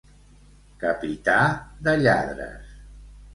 Capità de lladres.